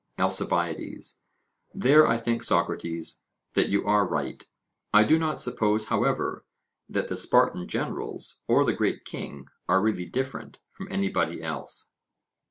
ALCIBIADES: There, I think, Socrates, that you are right; I do not suppose, however, that the Spartan generals or the great king are really different from anybody else.